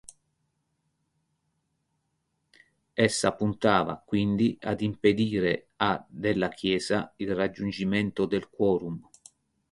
Essa puntava, quindi, ad impedire a della Chiesa il raggiungimento del quorum.